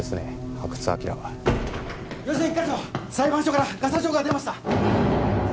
阿久津晃は吉乃一課長裁判所からガサ状が出ました！